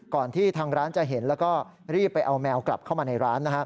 ที่ทางร้านจะเห็นแล้วก็รีบไปเอาแมวกลับเข้ามาในร้าน